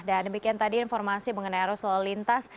dan demikian tadi informasi mengenai arus lalu lintas